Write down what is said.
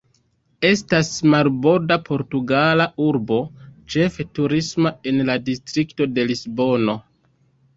Estas marborda portugala urbo, ĉefe turisma, en la distrikto de Lisbono.